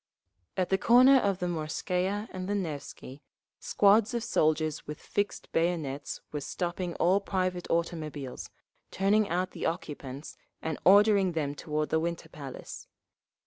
At the corner of the Morskaya and the Nevsky, squads of soldiers with fixed bayonets were stopping all private automobiles, turning out the occupants, and ordering them toward the Winter Palace.